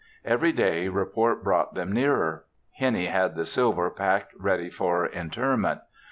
Every day report brought them nearer. Hennie had the silver packed ready for interment.